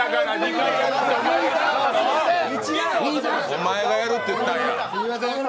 お前がやるって言ったんだろ！